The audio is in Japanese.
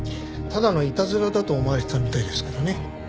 ただのいたずらだと思われてたみたいですけどね。